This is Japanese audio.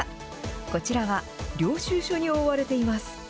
こちらは、領収書に覆われています。